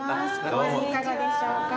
お味いかがでしょうか。